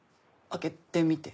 開けてみて。